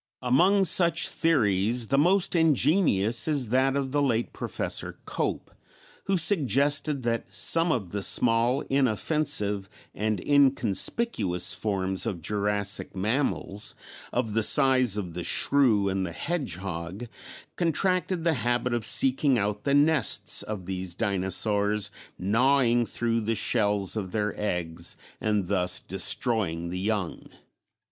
Among such theories the most ingenious is that of the late Professor Cope, who suggested that some of the small, inoffensive, and inconspicuous forms of Jurassic mammals, of the size of the shrew and the hedgehog, contracted the habit of seeking out the nests of these dinosaurs, gnawing through the shells of their eggs, and thus destroying the young.